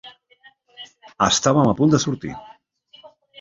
Estàvem a punt de sortir.